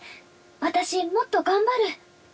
私もっと頑張る！」